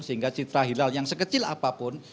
sehingga citra hilal yang sekecil apapun